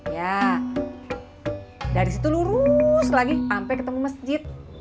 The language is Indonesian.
ya dari situ lurus lagi sampai ketemu masjid